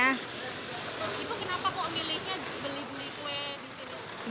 itu kenapa kok miliknya beli beli kue di sini